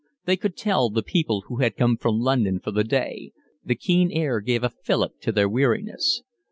They could tell the people who had come down from London for the day; the keen air gave a fillip to their weariness.